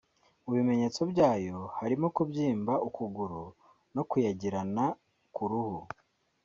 Mu bimenyetso byayo harimo kubyimba ukuguru no kuyagirana ku ruhu